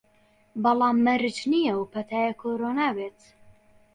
بەڵام مەرج نییە ئەو پەتایە کۆرۆنا بێت